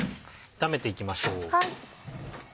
炒めていきましょう。